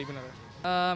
baru pertama kali bener